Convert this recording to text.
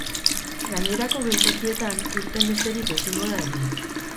Gainerako geltokietan irten besterik ezingo da egin.